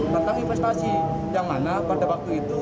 tentang investasi yang mana pada waktu itu